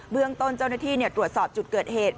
เรื่องต้นเจ้าหน้าที่ตรวจสอบจุดเกิดเหตุ